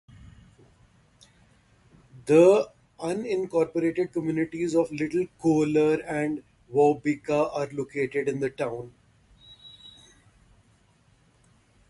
The unincorporated communities of Little Kohler and Waubeka are located in the town.